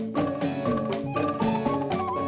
terima kasih juga